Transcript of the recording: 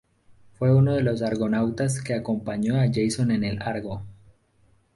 Fue uno de los argonautas que acompañó a Jasón en el Argo.